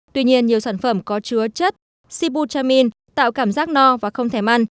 tuy nhiên nhiều sản phẩm có chứa chất sibutramine tạo cảm giác no và không thèm ăn